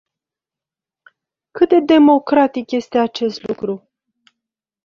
Cât de democratic este acest lucru?